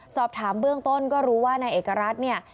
สอบถามเบื้องต้นก็รู้ว่านายเอกรัฐเนี่ย